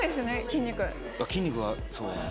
筋肉はそうね